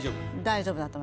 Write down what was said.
大丈夫？